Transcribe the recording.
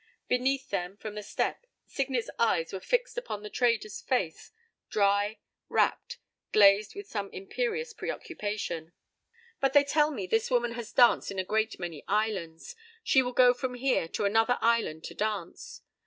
Beneath them, from the step, Signet's eyes were fixed upon the trader's face, dry, rapt, glazed with some imperious preoccupation. "But they tell me this woman has danced in a great many islands. She will go from here to another island to dance.